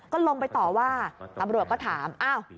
ก็ลงไปต่อว่าตำรวจก็ถามอ้าว